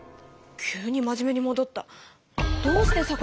急に真面目にもどった。